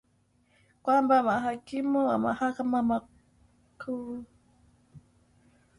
kwamba mahakimu wa Mahakama Kuu